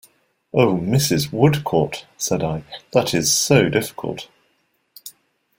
"Oh, Mrs. Woodcourt," said I, "that is so difficult!"